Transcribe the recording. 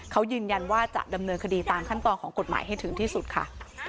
เขายืนยันว่าจะดำเนินคดีตามขั้นตอนของกฎหมายให้ถึงที่สุดค่ะ